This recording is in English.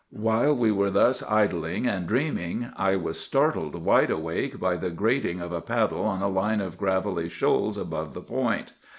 "While we were thus half idling and dreaming, I was startled wide awake by the grating of a paddle on a line of gravelly shoals above the point.